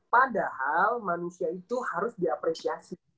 padahal manusia itu harus diapresiasi